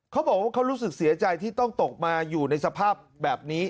เขาบอกว่าเขารู้สึกเสียใจที่ต้องตกมาอยู่ในสภาพแบบนี้